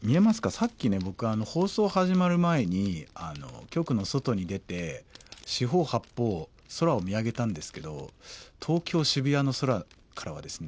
さっきね僕放送始まる前に局の外に出て四方八方空を見上げたんですけど東京・渋谷の空からはですね